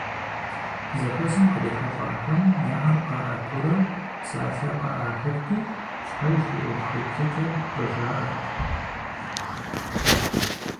Зэхуэсым кърихьэлӀахэм я Ӏэр къаӀэтурэ псалъэ къыӀахырти щхьэж и ӀуэхуеплъыкӀэр къыжаӀэрт.